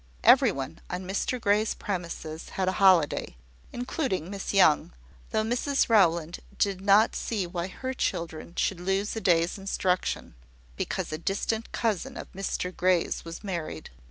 Every one on Mr Grey's premises had a holiday including Miss Young, though Mrs Rowland did not see why her children should lose a day's instruction, because a distant cousin of Mr Grey's was married.